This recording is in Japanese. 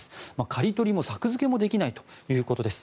刈り取りも作付けもできないということです。